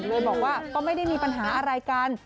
เลยบอกว่าก็ไม่ได้มีปัญหาอะไรกัน